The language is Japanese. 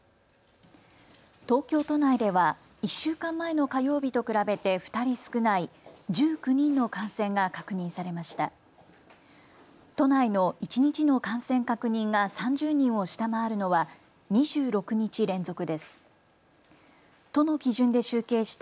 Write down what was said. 東京都内では１週間前の火曜日と比べて２人少ない１９人の感染が確認されました。